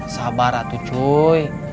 sabar atuh cuy